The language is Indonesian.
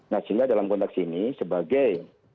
nah sehingga dalam konteks ini sebagai